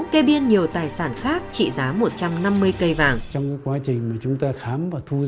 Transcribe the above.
kê biên nhiều tên của tám